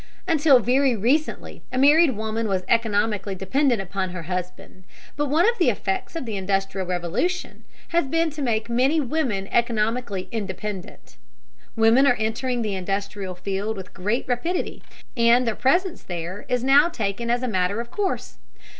Until very recently a married woman was economically dependent upon her husband. But one of the effects of the Industrial Revolution has been to make many women economically independent. Women are entering the industrial field with great rapidity, and their presence there is now taken as a matter of course.